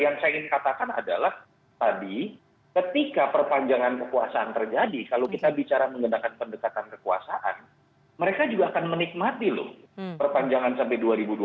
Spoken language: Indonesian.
yang saya ingin katakan adalah tadi ketika perpanjangan kekuasaan terjadi kalau kita bicara menggunakan pendekatan kekuasaan mereka juga akan menikmati loh perpanjangan sampai dua ribu dua puluh empat